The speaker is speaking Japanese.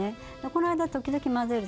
この間時々混ぜる。